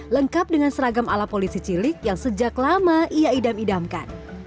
lengkap dengan seragam ala polisi cilik yang sejak lama ia idam idamkan